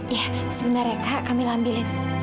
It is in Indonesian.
ya sebenarnya kak kamilah ambil